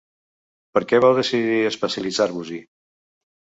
Per què vau decidir especialitzar-vos-hi?